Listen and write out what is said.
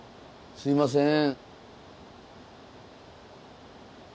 すいません